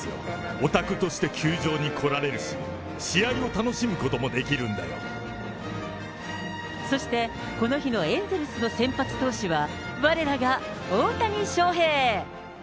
オタクとして球場に来られるし、そして、この日のエンゼルスの先発投手は、われらが大谷翔平。